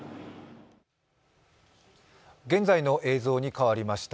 現在の映像に変わりました。